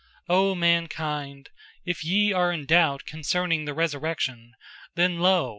P: O mankind! if ye are in doubt concerning the Resurrection, then lo!